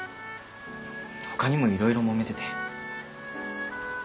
ほかにもいろいろもめてて。